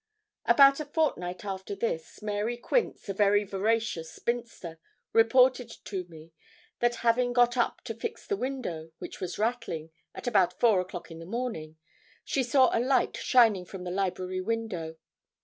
About a fortnight after this, Mary Quince, a very veracious spinster, reported to me, that having got up to fix the window, which was rattling, at about four o'clock in the morning, she saw a light shining from the library window.